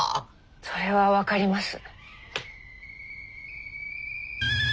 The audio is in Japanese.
それは分かります。